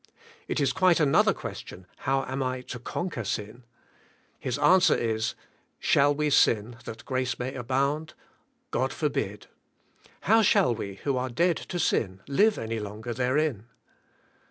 It is quite another question. How am I to conquer sin? His answer is, "Shall we sin that grace may abound ? God forbid. How shall we who are dead to sin live any longer there in